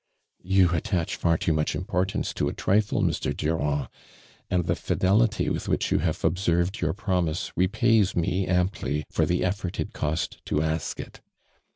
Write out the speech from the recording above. " You attach far too much importance to a trifle, Mr. Durand, and the fidelity with which you have observed your promise repays me amply for the ettbrt it cost to ask it.